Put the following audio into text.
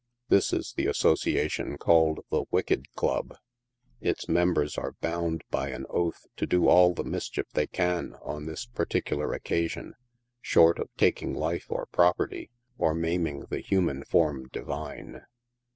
This is the association called the " Wicked Club." Its members are bound by an oath to do all the mischief they can on this particular occasion, short of taking life or property, or maiming the human form divine.